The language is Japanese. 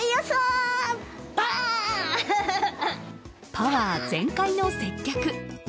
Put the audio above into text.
パワー全開の接客！